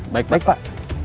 baik baik pak